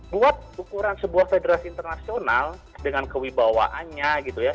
buat ukuran sebuah federasi internasional dengan kewibawaannya gitu ya